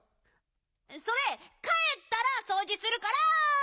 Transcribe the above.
それかえったらそうじするから！